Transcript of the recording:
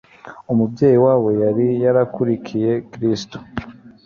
Umubyeyi wabo yari yarakurikiye Kristo,